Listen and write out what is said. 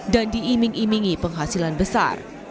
dan diiming imingi penghasilan besar